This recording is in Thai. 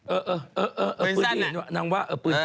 เออเออเออเออเออปืนสั้นละ